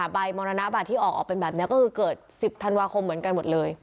ใบมรณบัตรที่ออกออกเป็นแบบนี้ก็คือเกิด๑๐ธันวาคมเหมือนกันหมดเลย